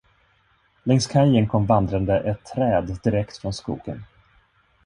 Längs kajen kom vandrande ett träd direkt från skogen.